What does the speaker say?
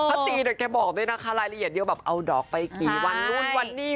พระตีนะแกบอกด้วยนะค่ะรายละเอียดเยอะเอาดอกภายในที่